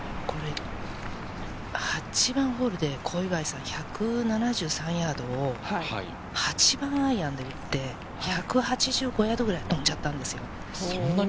８番ホールで小祝さん、１７３ヤードを８番アイアンで打って、１８５ヤードぐらい飛んじゃったんですよ。